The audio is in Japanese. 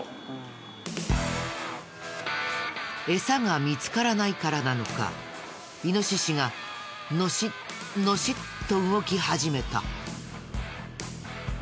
餌が見つからないからなのかイノシシがのしのしっと動き始めた。